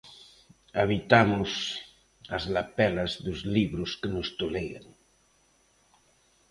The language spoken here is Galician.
Habitamos as lapelas dos libros que nos tolean.